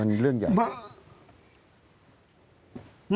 ลุงเอี่ยมอยากให้อธิบดีช่วยอะไรไหม